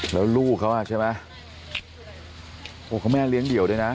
แล้วลูกเขาอ่ะใช่ไหมโอ้เขาแม่เลี้ยงเดี่ยวด้วยนะ